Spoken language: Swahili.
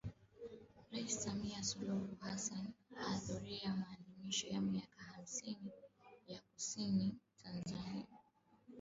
Rais Samia Suluhu Hassan ahudhuria Maadhimisho ya Miaka hamsini ya Kanisa Anglikana Tanzania